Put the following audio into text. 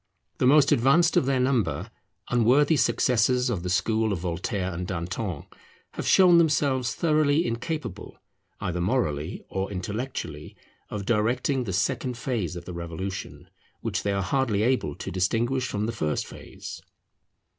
The most advanced of their number, unworthy successors of the school of Voltaire and Danton, have shown themselves thoroughly incapable either morally or intellectually of directing the second phase of the Revolution, which they are hardly able to distinguish from the first phase.